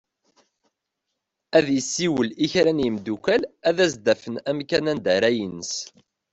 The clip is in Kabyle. Ad isiwel i kra n yimddukal ad as-d-afen amkan anda ara ines.